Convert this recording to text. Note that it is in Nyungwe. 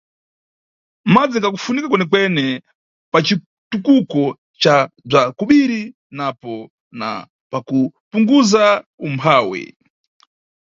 Madzi ngakufunika kwenekwene pa citukuko ca bza kobiri napo na pakupunguza umphawi.